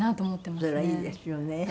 それはいいですよね。